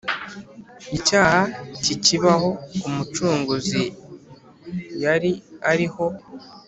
. Icyaha kikibaho, Umucunguzi yari ariho.